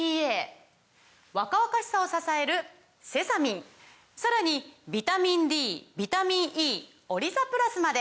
若々しさを支えるセサミンさらにビタミンＤビタミンＥオリザプラスまで！